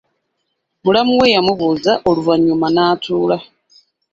Mulamu we yamubuuza oluvanyuma n'atuula.